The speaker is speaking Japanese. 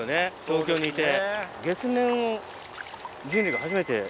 東京にいて。